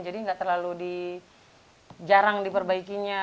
jadi nggak terlalu di jarang diperbaikinya